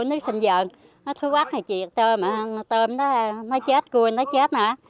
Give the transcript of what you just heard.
nước xanh dần nó thu quắc thì trịt tôm tôm nó chết cua nó chết